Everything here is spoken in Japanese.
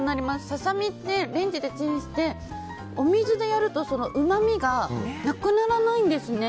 ささみってレンジでチンしてお水でやるとうまみがなくならないんですね。